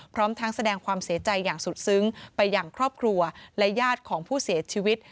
พร้อมทั้งแสดงความเสียใจอย่างสุดซึ้งไปอย่างครอบครัวและญาติของผู้เสียชีวิต